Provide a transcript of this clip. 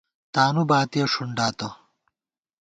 تانُو باتِیہ ݭُنڈاتہ